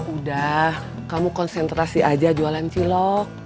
udah kamu konsentrasi aja jualan cilok